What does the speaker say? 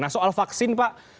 nah soal vaksin pak